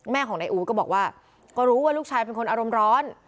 แม่ของนายอู๋ก็บอกว่าก็รู้ว่าลูกชายเป็นคนอารมณ์ร้อน